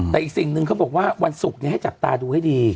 แต่อีกสิ่งหนึ่งเขาบอกว่าวันศุกร์ให้จับตาดูให้ดี